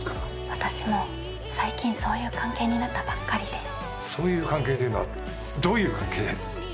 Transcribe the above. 私も最近そういう関係になったばっかりでそういう関係というのはどういう関係？